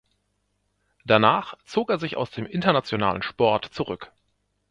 Danach zog er sich aus dem internationalen Sport zurück.